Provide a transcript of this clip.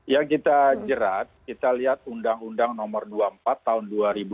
ya kita jerat kita lihat undang undang nomor dua puluh empat tahun dua ribu dua